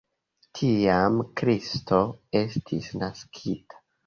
Tiam Kristo estis naskita.